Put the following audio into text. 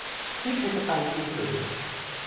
นี่เธอจะไปจริงหรือ